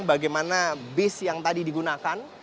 bagaimana bis yang tadi digunakan